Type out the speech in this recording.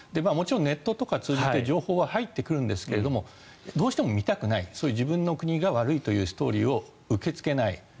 もちろんネットとかを通じて情報は入ってくるんですがどうしても見たくない自分の国が悪いというストーリーを受け付けない